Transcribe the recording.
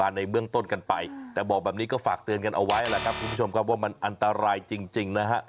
คุณผู้ชมครับว่ามันอันตรายจริงนะฮะ